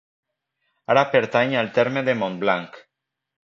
Ara pertany al terme de Montblanc.